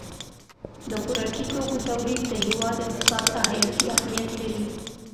د خوراکي توکو تولید د هېواد اقتصاد ته حیاتي اهمیت لري.